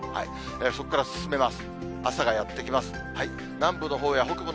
そこから進めます。